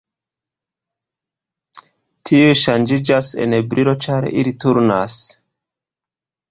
Tiuj ŝanĝas en brilo ĉar ili turnas.